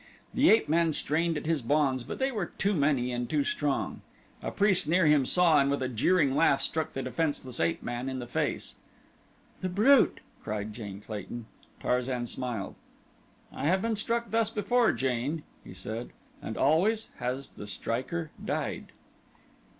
The ape man strained at his bonds but they were too many and too strong. A priest near him saw and with a jeering laugh struck the defenseless ape man in the face. "The brute!" cried Jane Clayton. Tarzan smiled. "I have been struck thus before, Jane," he said, "and always has the striker died."